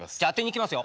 いきますよ。